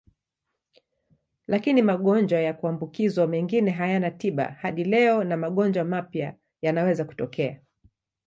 Lakini magonjwa ya kuambukizwa mengine hayana tiba hadi leo na magonjwa mapya yanaweza kutokea.